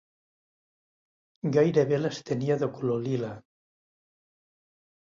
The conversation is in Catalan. Gairebé les tenia de color lila.